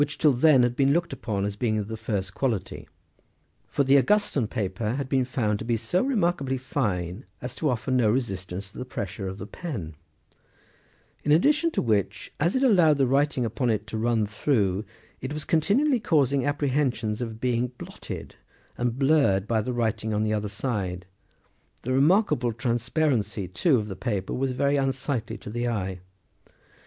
till then had been looked upon as being of the first quality : for the Augustan paper had been found to be so remarkably fine, as to offer no resistance to the pressure of the pen ; in addition to which, as it allowed the writing upon it to run through, it was continually causing apprehensions of its being blotted and blurred by the writing on the other side ; the re markable transparency, too, of the paper was very unsightly to the eye.